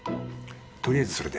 とりあえずそれで。